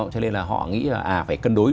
cho nên là họ nghĩ là phải cân đối